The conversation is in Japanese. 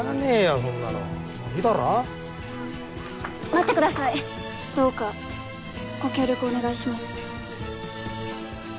そんなのもういいだろ？待ってくださいどうかご協力お願いします。